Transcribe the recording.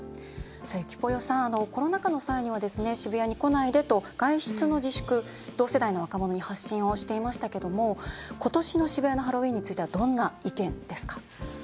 ゆきぽよさん、コロナ禍の際には渋谷に来ないでと外出の自粛、同世代の若者に発信をしていましたけども今年の渋谷のハロウィーンについてはどんな意見ですか？